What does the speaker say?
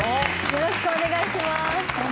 よろしくお願いします。